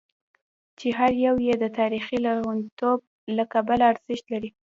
چې هر یو یې د تاریخي لرغونتوب له کبله ارزښت لري.